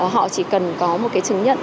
họ chỉ cần có một chứng nhận